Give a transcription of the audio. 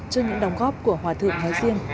cho những đồng góp của hòa thượng nói riêng